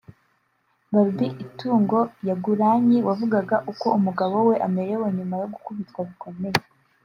Barbie Itungo Kyagulanyi wavugaga uko umugabo we amerewe nyuma yo gukubitwa bikomeye